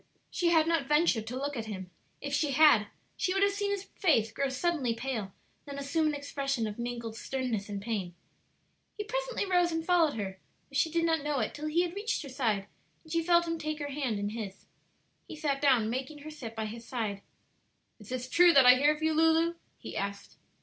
She had not ventured to look at him; if she had she would have seen his face grow suddenly pale, then assume an expression of mingled sternness and pain. He presently rose and followed her, though she did not know it till he had reached her side and she felt him take her hand in his. He sat down, making her sit by his side. "Is this true that I hear of you, Lulu?" he asked.